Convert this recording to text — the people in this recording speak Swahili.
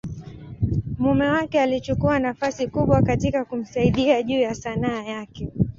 mume wake alichukua nafasi kubwa katika kumsaidia juu ya Sanaa yake.